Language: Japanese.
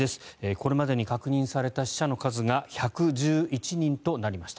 これまでに確認された死者の数が１１１人となりました。